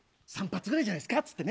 ３発ぐらいじゃないですか。